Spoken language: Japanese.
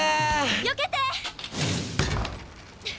よけて！